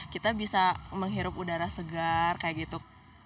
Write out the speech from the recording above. kita bisa menghirup udara segar kayak gitu